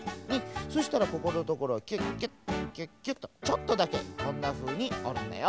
そしたらここのところはキュッキュッキュッキュッとちょっとだけこんなふうにおるんだよ。